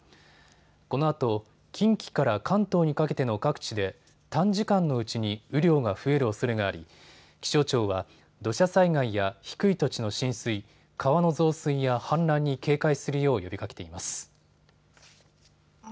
このあと近畿から関東にかけての各地で短時間のうちに雨量が増えるおそれがあり気象庁は土砂災害や低い土地の浸水、川の増水や氾濫に警戒するよう呼びかけています。